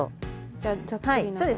じゃあざっくりな感じ。